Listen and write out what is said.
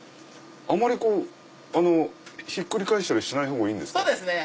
あまりひっくり返したりしないほうがいいんですか？